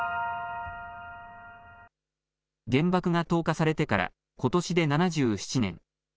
原爆が投下されてからことしで７７年。